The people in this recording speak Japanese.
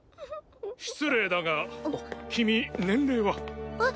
失礼だが君年齢は？えっ？